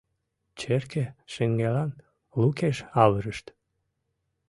Черке шеҥгелан лукеш авырышт.